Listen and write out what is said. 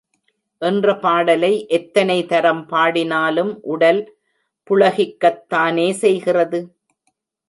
என்ற பாடலை எத்தனை தரம் பாடினாலும் உடல் புளகிக்கத் தானே செய்கிறது.